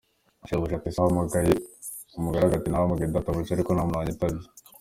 Shebuja ati “Ese wahamagaye ?” Umugaragu ati “Nahamagaye databuja, ariko nta muntu wanyitabye.